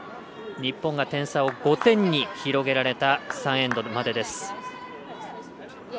日本が点差を５点に広げられた３エンドまでです。